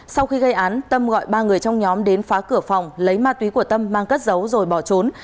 sau khi gây án tâm gọi ba người trong nhóm đến phá cửa phòng lấy ma túy của tâm mang cất giấu rồi bỏ trốn